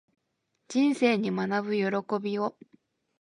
人生に学ぶ喜びを